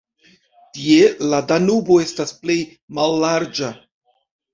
Tie la Danubo estas plej mallarĝa.